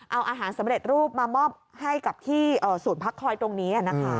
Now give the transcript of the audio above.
เอาอาหารสำเร็จรูปมามอบให้กับที่ศูนย์พักคอยตรงนี้นะคะ